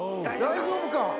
大丈夫か？